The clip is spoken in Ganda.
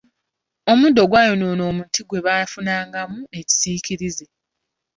Omuddo gwayonoona omuti gwe bafunangamu ekisiikirize.